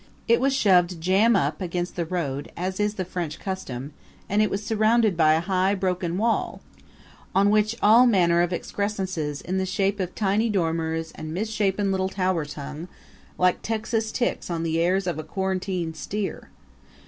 It was shoved jam up against the road, as is the French custom; and it was surrounded by a high, broken wall, on which all manner of excrescences in the shape of tiny dormers and misshapen little towers hung, like Texas ticks on the ears of a quarantined steer.